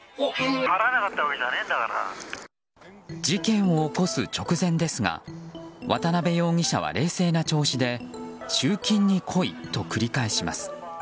事件を起こす直前ですが渡辺容疑者は冷静な調子で集金に来いと繰り返します。